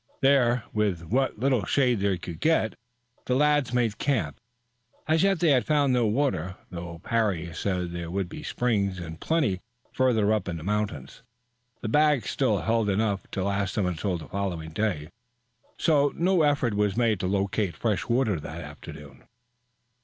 There, with what little shade they could get, the lads made camp. As yet they had found no water, though Parry said there would be springs in plenty further up in the mountains. The bags still held enough to last them until the following day, so no effort was made to locate fresh water that afternoon.